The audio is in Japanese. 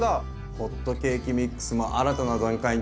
ホットケーキミックスも新たな段階に突入ですね。